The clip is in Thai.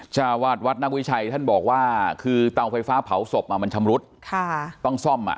เจ้าวาดวัดนักวิชัยท่านบอกว่าคือเตาไฟฟ้าเผาศพมันชำรุดต้องซ่อมอ่ะ